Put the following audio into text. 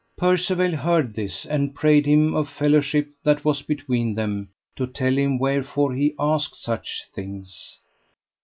Percivale heard this, and prayed him, of fellowship that was between them, to tell him wherefore he asked such things.